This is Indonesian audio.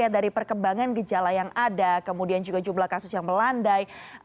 dari perkembangan gejala yang ada kemudian juga jumlah kasus yang melandai